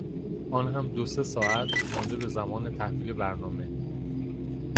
آنهم دو سه ساعت مانده به زمان تحویل برنامه.